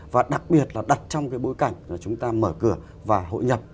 và đặc biệt là đặt trong cái bối cảnh là chúng ta mở cửa và hội nhập